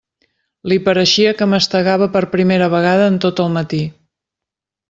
Li pareixia que mastegava per primera vegada en tot el matí.